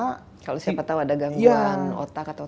kalau siapa tahu ada gangguan otak atau